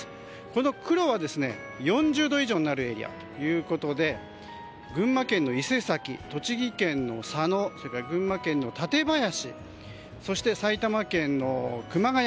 この黒は４０度以上になるエリアということで群馬県の伊勢崎、栃木県の佐野それから群馬県の館林そして、埼玉県の熊谷